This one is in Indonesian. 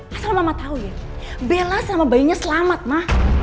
kamu lama tau ya bella sama bayinya selamat mah